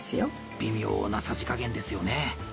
微妙なさじ加減ですよね。